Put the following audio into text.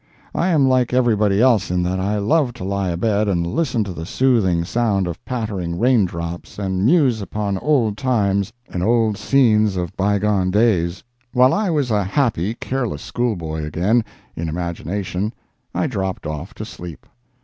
I am like everybody else in that I love to lie abed and listen to the soothing sound of pattering rain drops, and muse upon old times and old scenes of by gone days. While I was a happy, careless schoolboy again, (in imagination,) I dropped off to sleep.